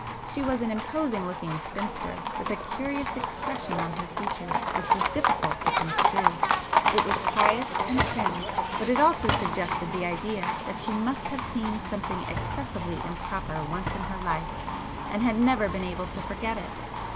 She was an imposing looking spinster, with a curious expression on her features which was difficult to construe. It was pious and prim, but it also suggested the idea that she must [p 127] have seen something excessively improper once in her life and had never been able to forget it.